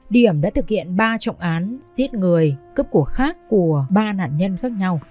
điểm đã thực hiện ba trọng án giết người cướp của khác của ba nạn nhân khác nhau